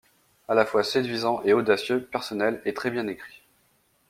À la fois séduisant et audacieux, personnel et très bien écrit.